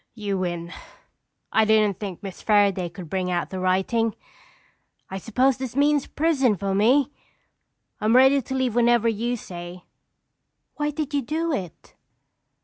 "You win. I didn't think Miss Fairaday could bring out the writing. I suppose this means prison for me. I'm ready to leave whenever you say." "Why did you do it?"